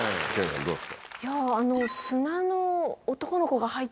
どうですか？